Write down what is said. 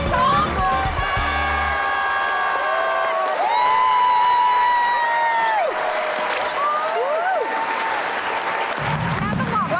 โต๊ะโกนตา